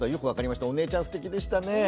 お姉ちゃんすてきでしたね。